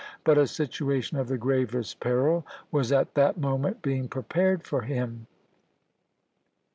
But a situation of the gravest peril was at that moment being prepared for him.